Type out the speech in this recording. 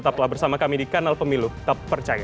tetaplah bersama kami di kanal pemilu tepercaya